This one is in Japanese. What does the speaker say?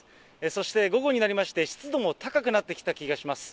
そして午後になりまして、湿度も高くなってきた気がします。